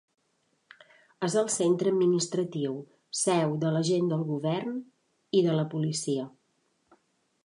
És el centre administratiu, seu de l'agent del govern i de la policia.